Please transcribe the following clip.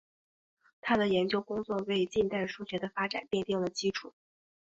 他的研究工作为近代数学的发展奠定了基础。